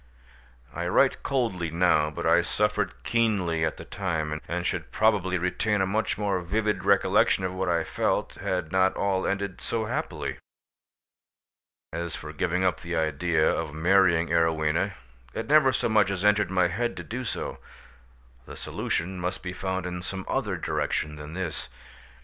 I write coldly now, but I suffered keenly at the time, and should probably retain a much more vivid recollection of what I felt, had not all ended so happily. As for giving up the idea of marrying Arowhena, it never so much as entered my head to do so: the solution must be found in some other direction than this.